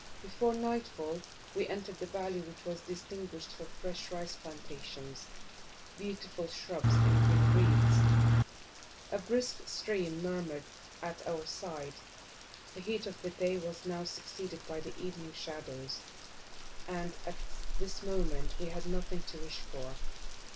Before nightfall we entered a valley which was distinguished for fresh rice plantations, beautiful shrubs, and green reeds: a brisk stream murmured at our side, the heat of the day was now succeeded by the evening shadows, and, at this moment we had nothing to wish for.